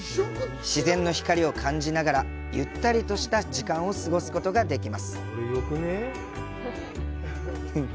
自然の光を感じながらゆったりとした時間を過ごすことができます。